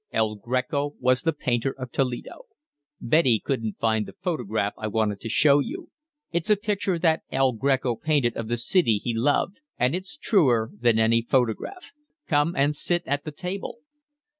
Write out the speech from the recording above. "El Greco was the painter of Toledo. Betty couldn't find the photograph I wanted to show you. It's a picture that El Greco painted of the city he loved, and it's truer than any photograph. Come and sit at the table."